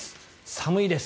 寒いです。